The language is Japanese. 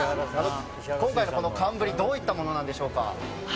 今回の寒ブリどういったものなんでしょうか。